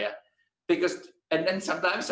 dan kadang kadang saya bilang ke dia